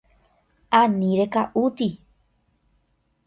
Ani reka'úti.